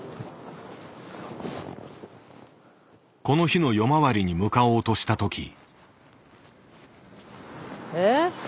この日の夜回りに向かおうとした時。